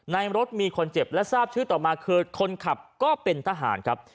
ในรถมีคนเจ็บและทราบชื่อต่อมาคือคนขับก็เป็นทหารครับ